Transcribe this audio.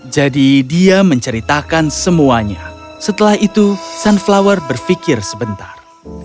jadi dia menceritakan semuanya setelah itu sunflower berfikir sebentar